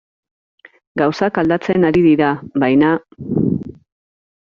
Gauzak aldatzen ari dira, baina...